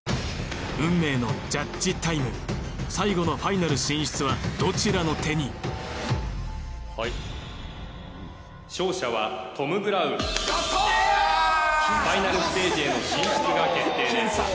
運命のジャッジタイム最後のファイナル進出はどちらの手にはい勝者はファイナルステージへの進出が決定です